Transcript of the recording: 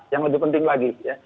yang lebih penting lagi